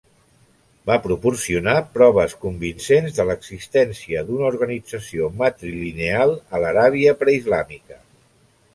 Va proporcionar proves convincents de l'existència d'una organització matrilineal a l'Aràbia preislàmica.